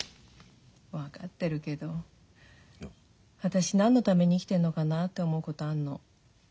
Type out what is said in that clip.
分かってるけど私何のために生きてんのかなって思うことあんの。